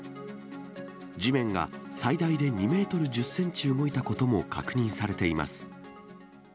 地面が最大で２メートル１０センチ動いたことも確認されています。